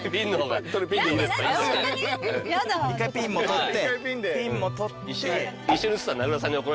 一回ピンも撮って。